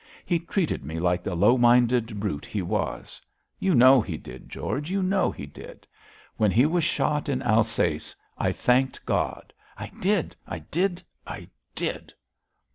He treated me like the low minded brute he was; you know he did, George, you know he did. When he was shot in Alsace, I thanked God. I did! I did! I did!'